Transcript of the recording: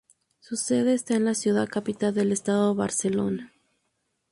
Su sede esta en la ciudad capital del estado, Barcelona.